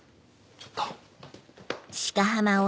ちょっと。